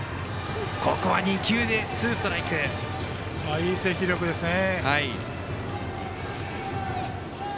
いい制球力ですね。